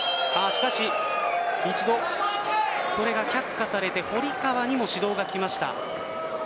しかし一度、それが却下されて堀川にも指導が来ました。